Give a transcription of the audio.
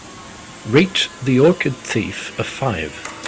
Rate The Orchid Thief a five